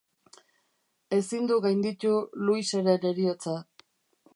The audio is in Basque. Ezin du gainditu Louiseren heriotza.